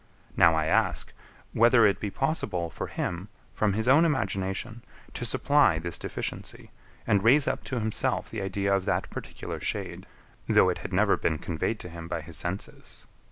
Now I ask, whether it be possible for him, from his own imagination, to supply this deficiency, and raise up to himself the idea of that particular shade, though it had never been conveyed to him by his senses?